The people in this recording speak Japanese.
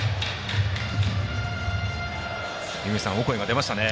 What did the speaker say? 井口さん、オコエが出ましたね。